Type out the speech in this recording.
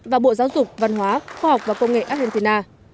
và bộ giáo dục văn hóa khoa học và công nghệ argentina